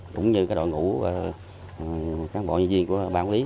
cũng như các đội ngũ các bộ nhân viên của bán lý